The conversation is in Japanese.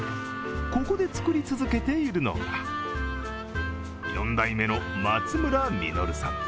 ここで作り続けているのが４代目の松村実さん。